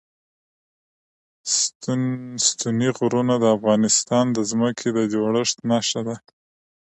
ستوني غرونه د افغانستان د ځمکې د جوړښت نښه ده.